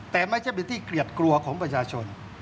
แต่ไม่ใช่เป็นที่เกลียดกลัวของประชาชน